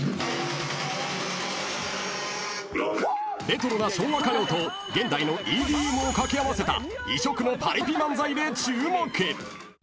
［レトロな昭和歌謡と現代のＥＤＭを掛け合わせた異色のパリピ漫才で注目］